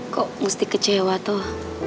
kok mesti kecewa toh